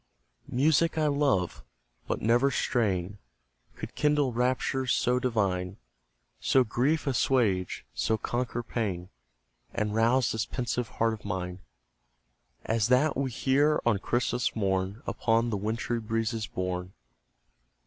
Music I love but never strain Could kindle raptures so divine, So grief assuage, so conquer pain, And rouse this pensive heart of mine As that we hear on Christmas morn, Upon the wintry breezes borne.